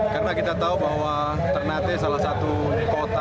karena kita tahu bahwa ternate salah satu kota